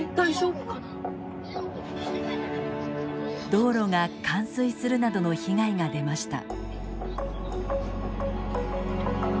道路が冠水するなどの被害が出ました。